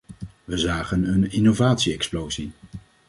We zagen een innovatie-explosie.